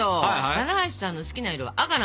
棚橋さんの好きな色は赤なんですよ。